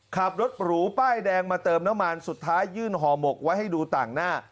ขับรถหรูป้ายแดงมาเติมน้ำมันสุดท้ายยื่นห่อหมกไว้ให้ดูต่างหน้า